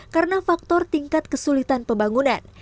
karena faktor tingkat kesulitan pembangunan